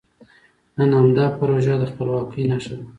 نن همدا پروژه د خپلواکۍ نښه ده.